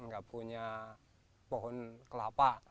gak punya pohon kelapa